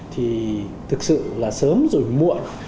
thì thực sự là sớm rồi muộn